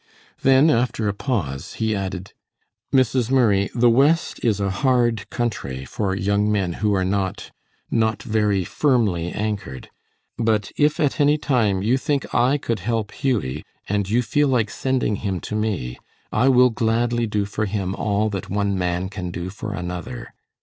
Then, after a pause, he added: "Mrs. Murray, the West is a hard country for young men who are not not very firmly anchored, but if at any time you think I could help Hughie and you feel like sending him to me, I will gladly do for him all that one man can do for another.